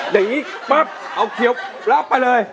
อย่างงี้ปั๊บเอาเคียวแล้วเอาไปเลย